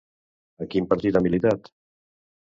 A quin partit ha militat?